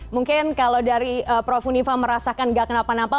mungkin kalau dari prof unifa merasakan gak kenapa napa